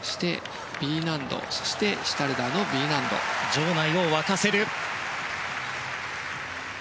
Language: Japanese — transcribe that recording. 場内を沸かせる。